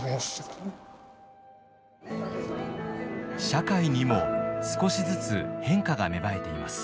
社会にも少しずつ変化が芽生えています。